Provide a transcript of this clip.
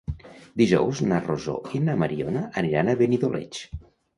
Dijous na Rosó i na Mariona aniran a Benidoleig.